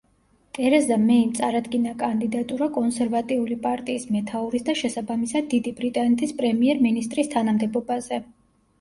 ტერეზა მეიმ წარადგინა კანდიდატურა კონსერვატიული პარტიის მეთაურის და შესაბამისად დიდი ბრიტანეთის პრემიერ-მინისტრის თანამდებობაზე.